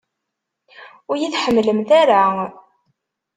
Ur iyi-tḥemmlemt ara!